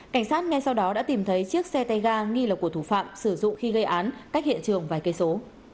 cảnh sát ngay sau đó đã tìm thấy chiếc xe tay ga nghi lộc của thủ phạm sử dụng khi gây án cách hiện trường vài cây số